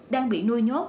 đang bị nuôi nhốt